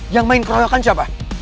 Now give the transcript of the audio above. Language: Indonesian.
yang main keroyokan siapa